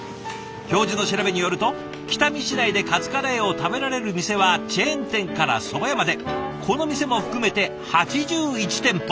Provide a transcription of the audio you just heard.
教授の調べによると北見市内でカツカレーを食べられる店はチェーン店からそば屋までこの店も含めて８１店舗。